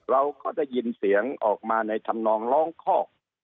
เราก็ได้ยินเสียงออกมาในธรรมนองร้องคอก